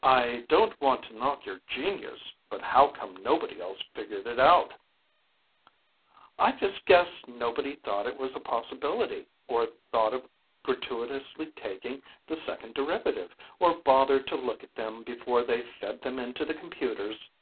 "I don't want to knock your genius, but how come nobody else figured it out?" "I just guess nobody thought it was a possibility, or thought of gratuitously taking the second derivative, or bothered to look at them before they fed them into the computers.